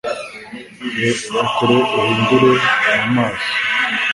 Reba kure uhindukire mu maso